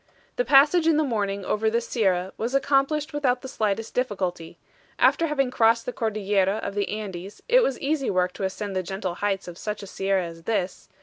The passage in the morning over this sierra, was accomplished without the slightest difficulty; after having crossed the Cordillera of the Andes, it was easy work to ascend the gentle heights of such a sierra as this.